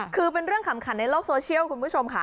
คือเป็นเรื่องขำขันในโลกโซเชียลคุณผู้ชมค่ะ